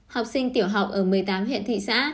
học sinh tiểu học ở một mươi tám huyện thị xã